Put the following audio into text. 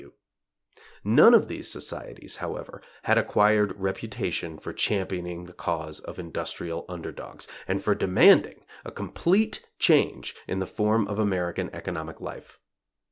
W. W. None of these societies, however, had acquired reputation for championing the cause of industrial under dogs, and for demanding a complete change in the form of American economic life.